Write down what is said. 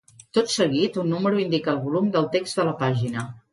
Tot seguit, un número indica el volum del text de la pàgina.